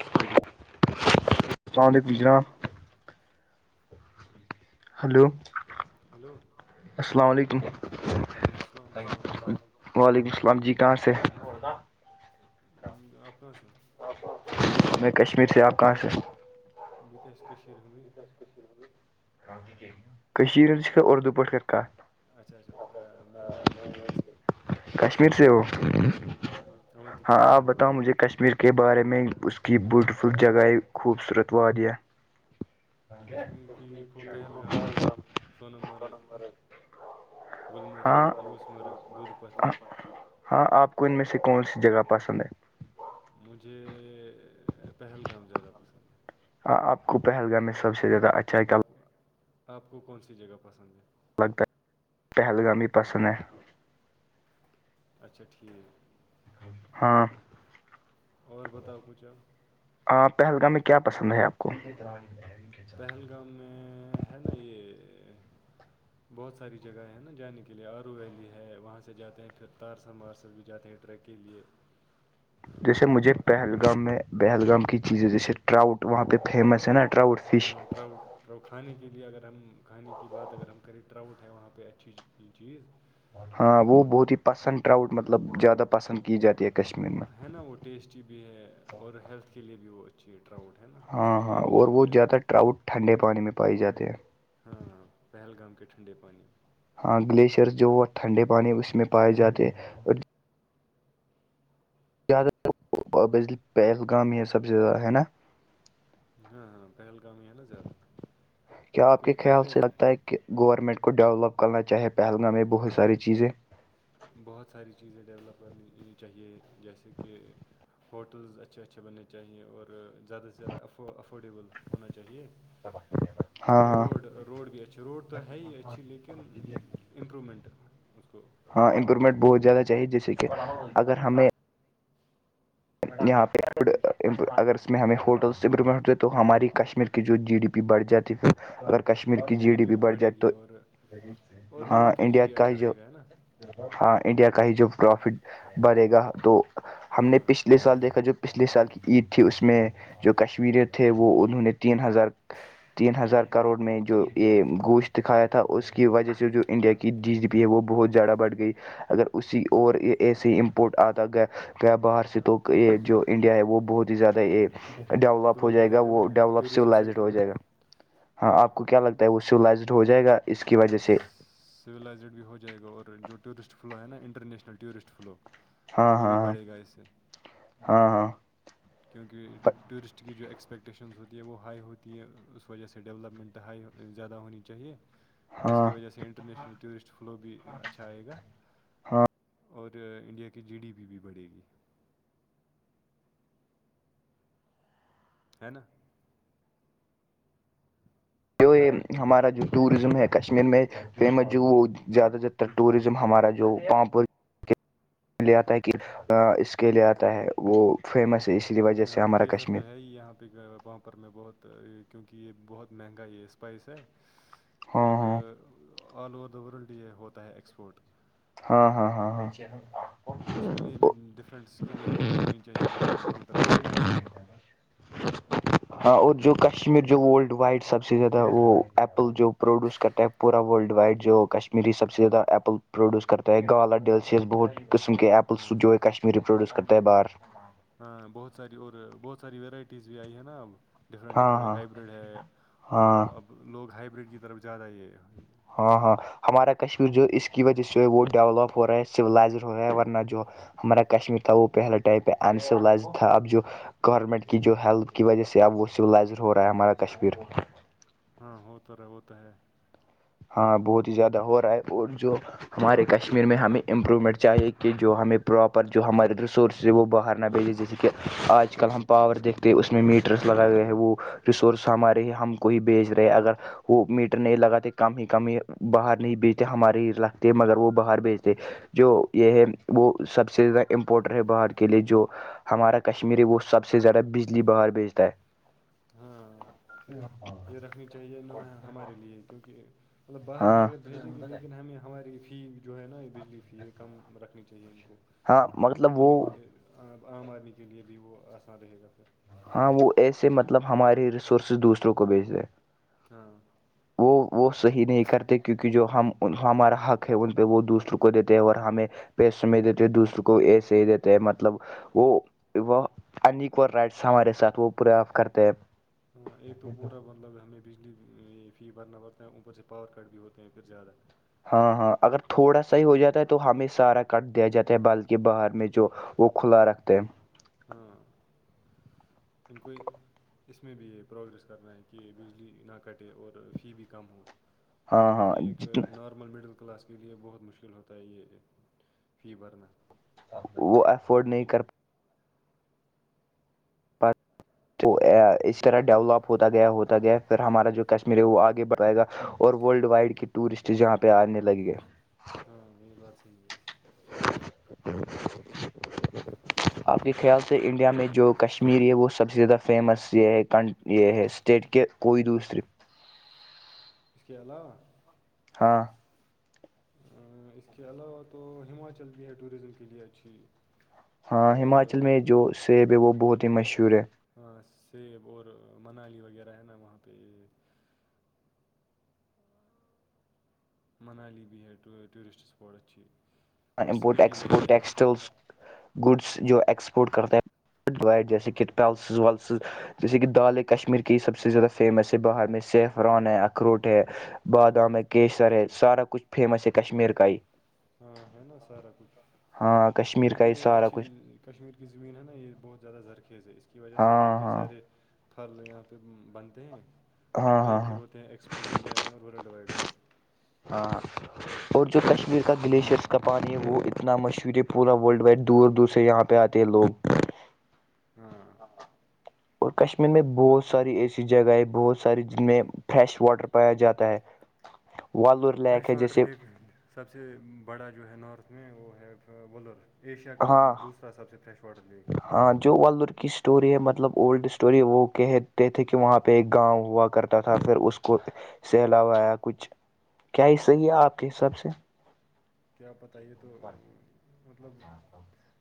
ہاکستان گجراں hello hello السلام علیکم وعلیکم السلام السلام علیکم وعلیکم السلام جی کہاں سے آپنا سے ہمیں کشمیر سے آپ کہاں سے ب ت آ ہ [unintelligible] [inaudible] ہ س اردو پ پرٹ کر کھ اچھا اچھا میں میں بھی کشمیر سے ہوں کشمیر سے ہو اونتی ہاں پورہ سے آپ بتاؤ مجھے کشمیر کے بارے میں اس کی بیوٹیفل جگہ خوبصورت والہ کشمیر کی خو پہلگام پڑمر گللمرگ یس مرگ دودھ پتری ہاں آپ کو ان میں سے کون سی جگہ پسند ہے مجھے پہلگام زیادہ پسند ہے ہ آپ کو پہلگام میں سب زیادہ اچھا کیا آپ آپ کو کون سی جگہ پسند ہے لگتا ہے پہلگام ہی پسند ہے اچھا ٹھیک ہاں اور بتاؤ کچھ آپ ہ پہلگام میں کیا پسند ہے آپ کو پہلگام میں ہے نا یہ بہت ساری جگہیں ہیں نا جانے کے لیے آرو ویلی ہے وہاں سے جاتے ہیں پھر تارسم وارسل بھی جاتے ہیں ٹریک کے لیے جی جیسے مجھے اور پہلگام میں پہلگام کی چیزیں جیسے ٹراؤٹ وہاں پہ فیمس ہے نا ٹراؤٹ فش ہاں ٹراؤٹ ٹرؤ کھانے کے لیے اگر ہم کھانے کی بات اگر ہم کریں ٹراؤٹ ہے وہاں پہ اچھی چیز ہاں وہ بہت ہی پسند ٹراؤٹ مطلب زیادہ پسند کی جاتی ہے کشمیر میں ہے نا وہ ٹیسٹی بھی ہے اور ہیلتھ کے لیے بھی وہ اچ اچھا ٹاؤٹ ہے نا اس کے لیے بھی جانی جاتی ہے کرراؤٹ ٹھنڈے پانی میں پائی جاتے ہیں ہاں پہلگام کے ٹھنڈے پانی ہاں گلیشئرز جو وہ ٹھنڈے پانی اس میں پائے جاتے اور زیادہ ت بلی پہلگامی ہے سب سے ز ہے نا ہاں ہاں پہلگام ہی ہے نا زیادہ کیا آپ کے کیونکہ خیال پہلے سے لگتا ہے کہ گورنمنٹ کو ڈیولپ کرنا چاہے پہلگام ہے بہت ساری چیزیں بہت ساری چیزیں ڈیولپ کرنی چاہیے جیسے کہ ہوٹلز اچھے اچھے بننے چاہئیں اور زیادہ سے زیادہ افورڈیبل ہونا چاہیے ہاں اور ہاں روڈ روڈ بھی اچھا روڈ تو ہے ہی اچھی لیکن امپرومنٹ اس کو ہاں امپرومنٹ بہت زیادہ چاہے جیسے کہ ہاں اگر ہمیں یہاں پہ اگر اس میں ہمیں ہوٹلس امپرومنٹ ہوتے تو ہماری کشمیر کے [unintelligible] جو جی ڈی پی بڑھ جاتی ہے اگر کشمیر ہاں کی جی ڈی پی بھی بڑھ بڑھے جائے گی تو اور اور ہاں لوگوں کے لیے انڈیا بھی کا ہی اچھا جو رہے گا ہے نا ہاں انڈیا کا ہی جو پروفٹ بڑھے گا تو ہم نے ہاں پچھلے سال دیکھا جو پچھلے سال کی عید تھی اس میں جو کشمییر تھے وہ انہوں نے تین ہزار تین ہزار کروڑ میں جو یہ گوشت د کایا تھا اس کی وجہ سے جو انڈیا کی کی ڈی جی پی ہے وہ بہت زیادہ بڑھ گئی اگر اسی اور ایسے ہی امپورٹ آتا گ گ باہر سے تو یہ جو انڈیا ہے وہ بہت ہی زیادہ یہ ڈیولپ ہو گرو جائے گا کرے وہ نا ڈیولپ ٹورزم سائزڈ سیکٹر ہو میں جائے گا ہاں آپ کو کیا لگتا ا وہ سو لزڈ ہو جائے گا اس کی وجہ سے سویلائزڈ بھی ہو جائے گا اور جو ٹورسٹ فلو ہے نا انٹرنیشنل ٹورسٹ فلو ہاں وہ ہاں بھی بڑے کش ہاں ہاں ہاں کیونکہ ٹورسٹ کی جو ایکسپیکٹیشنز ہوتی ہے وہ ہائی ہوتی ہے اس وجہ سے ڈیولپمنٹ ہائی زیادہ ہونی چاہیے جس ہاں کی وجہ سے انٹرنیشنل ٹورسٹ فلو بھی اچھا آئے گا ہاں اور انڈیا کی جی ڈی پ بھی بڑھے گی ہے نا جو یہ ہمارا جو ٹوریزم ہے کشمیر میں فیمس جو وہ زیادہ تر ٹوریزم ہمارا جو پامپور لے آتا ہے کہ اس کے لیے آتا ہے وہ فیمس ہے اس کہ ہاں کی سر تو ہے ہی یہاں پہ پپ ر میں بہت کیونکہ یہ بہت مہنگا یہ اسپائس ہے ہاں اور ہاں آل اوور دا ورلڈ یہ ہوتا ہے ایکسپورٹ ہاں ہاں ہاں اس کے لیے بھی ڈفرینٹ اسکیمیں ہونی چاہیے گورنمنٹ کی طرف سے ہاں اور جو کشمیر جو ورلڈ وائڈ سب سے زیادہ وہ ایپل جو پروڈیوس کرتا ہے پورا ورلڈ وائڈ جو کشمیری سب سے زیادہ ایپل پروڈیوس کرتا ہے گالا ڈیلشیس بہت قسم کے ہاں ایپلس جو ہے کشمیری پروڈیوس کرتا ہے باہر ہاں بہت ساری اور بہت ساری ورائٹیز بھی آئی ہے نا اب ڈفرینٹ ہاں ڈفرینٹ ہاں ہائیبریڈ ہے ہاں اب لوگ ہائیبریڈ کی طرف زیادہ یہ ہاں ہاں ہمارا کشمیر جو اس کی وجہ سے وہ ڈیولپ ہو رہا ہے سلائزڈ ہو رہا ہے ورنہ جو ہمارا کشمیر تھا وہ پہلا ائپ ہےس تھا اب جو گورنمنٹ کی جو ہیلتھ کی وجہ سے اب وہ سولائزڈ ہو رہا ہے ہمارا کشمیر ہاں ہو تو رہ ہوتا ہے ہاں بہت ہی زیادہ ہو رہا ہے اور جو ہمارے کشمیر میں ہمیں امپرومنٹ چاہیے کہ جو ہمیں پراپر جو ہمارے ریسورسز ہے وہ باہر نہ بھیجے جسے کہ آج کل ہم پاور دیکھتے اس میں میٹرس لگائے ہوئے ہیں وہ ریسورس ہمارے ہی ہم کو ہی بھیچ رہے اگر وہ میٹر نہیں لگا تو کم ہی کم ہی باہر نہیں بیچتے ہمارے ہی لگتے مگر وہ باہر بیچتے جو یہ ہے وہ سب سے زیادہ امپورٹر ہے باہر کے لیے جو ہمارا کشمیر ہے وہ سب سے زیادہ بجلی باہر بیچتا ہے ہاں یہ رکھنی چاہیے ن ہمارے لیے کیونکہ مطلب باہر بھی ہاں اگر بھیجیں گے لیکن ہمیں ہماری فی جو ہے نا یہ بجلی فی ہے کم رکھنی چاہیے ان کو ہاں مطلب وہ کیونکہ عام عام آدمی کے لیے بھی وہ آسان رہے گا سر ہاں وہ ایسے مطلب ہماراری ریسورسز دوسروں کو بھیچ دے ہاں وہ وہ صحیح نہیں کرتے کیونکہ جو ہم ہمارا حق ہے ان پہ وہ دوسروں کو دیتے ہیں اور ہمیں پیس دیتے دوسروں کو ایسے ہی دیتے ہیں مطلب وہ وہ انیکول رائٹ ہمارے ساتھ وہ پورے آ کرتے ہیں ہاں ایک تو پورا مطلب ہمیں بھی بجلی فی بھرنا پڑتا ہے اوپر سے پاور کٹ بھی ہوتے ہیں پھر زیادہ ہاں ہاں اگر تھوڑا سا ہی ہو جاتا ہے تو ہمیں سارا کٹ دیا جاتا ہے بلکہ باہر میں جو وہ کھلا رکھتے ہے ہیں ہاں پ کوئی اس میں بھی پروگریس کرنا ہے کہ بجلی نہ کٹے اور فی بھی کم ہو ہاں ہاں کیونکہ ایک نارتھ جتنا نارمل مڈل کلاس کے لیے بہت مشکل ہوتا ہے یہ فی بھرنا [unintelligible] وہ افورڈ نہیں کر پچ [unintelligible] تو اس طرح ڈیولپ ہوتا گیا ہوتا گیا پھر ہمارا جو کشمیر ہے وہ آگے بڑھ جائے گا اور ورلڈ وائڈ کے ٹورسٹ جہاں پہ آنے لگے گئے ہاں یہ بات س ہے آپ کی خیال [unintelligible] اس سے انڈیا میں جو کشمیرری ہے وہ سب سے زیادہ فیمس یہ ہے کن یہ ہے اسٹیٹ کے کوئی دوسرے اس کے علاوہ [unintelligible] ہاں اس کے علاوہ تو ہماچل بھی ہے ٹوریزم کے لیئے اچھی ہاں اور ہماچل میں جو سیب ہے وہ بہت ہی مشہور ہے ہاں سیب اور منالی وغیرہ ہے نا وہاں پہ منالی بھی ہےٹ tourist spot اچھھی [unintelligible] import export textiles goods جو ایکسپورٹ کرتے ہیں ف گائٹ جیسے کہ پلسز ولسز جیسے کہ دال ہے کشمیر کی سب سے زیادہ فیمس ہے باہر میں سیف ران ہے اخروٹ ہے ہاں بادام ہے کیسر ہے سارا کچھ فیمس ہے کشمیر کا ہی ہاں ہے نا سارا کچھ ہاں کشمیر کا کیونکہ ہی یہ سارا اچھی کچھ [unintelligible] کشمیر کی زمین ہے نا یہ بہت زیادہ زرخیز ہے اس کی وجہ ہاں سے یہاں پہ ہاں سارے پھل یہاں پہ بنتے ہیں اور ہاں وہی ہاں پھر ہاں ہوتے ہیں ایکسپورٹ انڈیا میں اور ورلڈ ڈوائڈ میں ہ [unintelligible] اور جو کشمیر کا گلیشیرس کا پانی ہے وہ اتنا مشہور ہے پورا ورلڈ وائڈ دور دور سے یہاں پ پہ آتے ہے لوگ ہاں اور کشمیر میں بہت ساری ایسی جگہیں بہت ساری جن میں فریش واٹر پایا جاتا ہے والور لیک فریش ہے واٹر جیسے لیک سب سے بڑا جو ہے نارتھ میں وہ ہے ولر ایشیا کا ہاں دوسرا سب سے فریش واٹر لیک ہے ہاں جو ولور کس اسٹوری ہے مطلب اولڈ اسٹوری وہ کہتے تھے کہ وہاں پہ ایک گاؤں ہوا کرتا تھا پھر اس کو اس سے علاوہ یا کچھ کیا ہی صحیح ہے آپ کے حساب سے کیاپت یی تو مطلب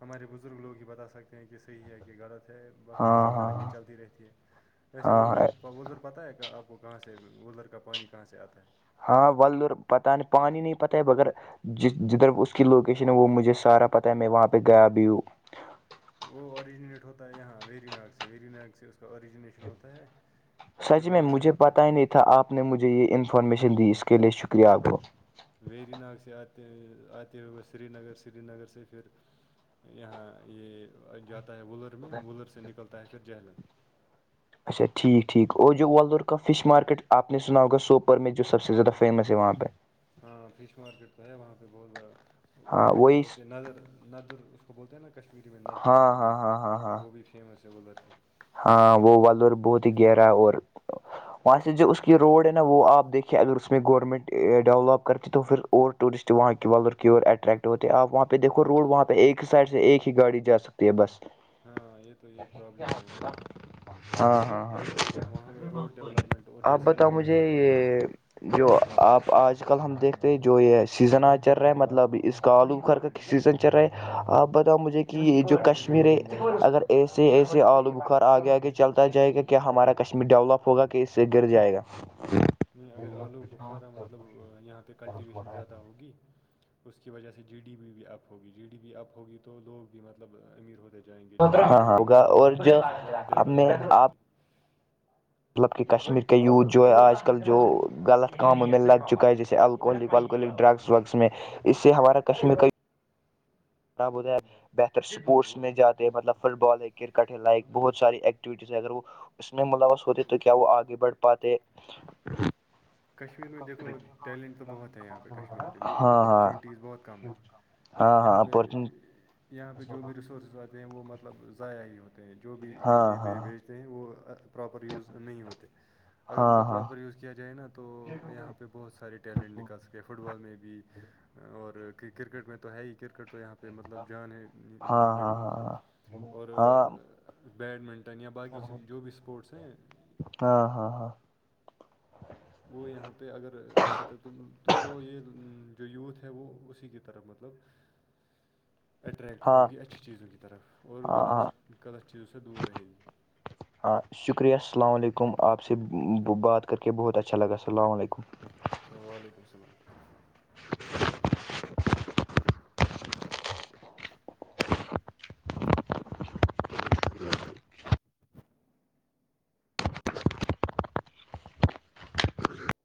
ہمارے بزرگ لوگ ہی بتا سکتے ہیں کہ صحیح ہے کہ غلط ہے بس ایسی ہاں ہاں کہانیاں چلتی رہتی ہے ویسے ول ہاں پر پتہ ہے کہ آپ کو کہاں سے ولھر کا پانی کہاں سے آتا ہے ہاں ولر اور پتاہ نہیں پانی نہیں پتا ہے بگر جس جدھر اس کی لوکیشن ہے وہ مجھے سارا پتہ ہے میں وہاں پہ گیا بھی ہوں وہ اوررییجنیٹ ہوتا ہے یہاں ویری نگ سے ویری نگ سے اس کا آیجنیٹ پوچنا ہوتا ہے پھر سچ میں وہاں سے مجھے ہوتے پتہ ہی نہیں تھا آپ نے مجھے یہ انفارمیشن دی اس کے لیے شکریہ آپ کو ویری نگ سے آتے آتے ہوئے بس سری نگر سری نگر سے پھر یہاں یہ جاتا ہے ولر میں ولر سے نکلتا ہے پھر جہلم اچھا ٹھیک ٹھیک اور جو ولور کا فش مارکیٹ آپ نے سنا ہوگا سوپر میں جو سب سے زیادہ فیمس ہے وہاں پہ ہاں فش مارکیٹ تو ہے وہاں پہ بہت بڑا اور ہاں وہ وہی ہوتے نظر ندر اس کو بولتے ہیں نا کشمیری میں ہاں ندر مج ہاں ہاں ہاں ہاں وہ بھی فیمس ہے ولر کیی ہاں وہ ولر بہت ہی گہرا اور وہاں سے جو اس کی روڈ ہے نا وہ آپ دیکھیے اگر اس میں گورنمنٹ ڈیولپ کرتی تو پھر اور ٹورسٹ وہاں کے والر کی اور اٹریکٹ ہوتے ہیں آپ وہاں پہ دھو روڈ وہاں پہ ایک ہی سائڈ سے ایک ہی گاڑی جا سک بے بس ہاں یہ تو یہ پرابلم ہے وہاں پہ ہاں ہاں وہاں پہ ہاں روڈ ڈیولپمنٹ اور آپ جیسے بتاؤ مطلب مجھے یہ جو آپ آج کل ہم دیکھتے جو یہ سیزن آ چل رہا ہے مطلب اس کا آلو گھر سیزن چل رہا ہے آپ بتاؤ مجھے کہ یہ جو کشمیر ہے اگر ایسے ایسے آلو خار آگے آگے چلتا جائے گا کیا ہمارا کشمیر ڈیولپ ہوگا کہ اس سے گر جائے گا نہیں اگر آلو بخارا مطلب یہاں پہ کلٹیویشن زیادہ ہوگی اس کی وجہ سے جی ڈی پ بھی اپ ہوگی جی ڈی بی اپ ہوگی تو لوگ بھی مطلب امیر ہوتے جائیں گے ہاں جیسے ہی ہاں لوگ ہوگا امیر ہوتے اور ہیں جو اس سے زیادہ اب میں ڈیولپمنٹ بھی آپ ہوتی مطلب کہ کشمیر کے یوھ جو ہے آج کل جو غلط کاموں میں لگ چکا ہے جیسے لیال کو ڈرگس وگس میں اس سے ہمارا کشمیر کئی [inaudible] بہتر اسپورٹس میں جاتے ہیں مطلب فٹ بال ہے کرکٹ ہے لائک بہت ساری ایکٹیوٹیز ہے اگر وہ اس میں منوس ہوتے تو کیا وہ آگے بڑھ پاتے کشمیر میں دیکھو ٹیلنٹ تو بہت ہے یہاں پہ کشمیر پہ لیکن ہاں ہاں اپارچونیٹیز بہت کم ہیں ہاں یہاں ہاں پہ اپارچونی یہاں پہ جو بھی ریسورسز والے ہیں وہ مطلب ضائع ہی ہوتے ہیں جو بھی ہاں یہ ہاں بھیجتے ہیں وہ پراپر یوز نہیں ہوتے اگر ان کا ہاں پراپر یوز کیا جائے نا تو یہاں پہ بہت سارے ٹیلنٹ نکال سکے فٹ بال میں بھی اور کرکٹ میں تو ہے ہی کرکٹ تو یہاں پہ پہ مطلب جان ہے ہاں ہاں ہاں لڑکوں ہاں کی اور ہاں بیڈمنٹن ن یا باقی جو بھی اسپورٹس ہیں ہاں ہاں وہ یہاں پہ اگر اچھی تر تو یہ جو یوتھ ہے وہ اسی کی طرف مطلب اٹریکٹ ہاں ہوگی اچھی چیزوں کی طرف اور ہاں ہاں غلط غلط چیزوں سے دور رہے گی [inaudible] السلام علیکم اپ سب بات کر کے بہت اچھا لگا السلام علیکم ا و علیکم السلام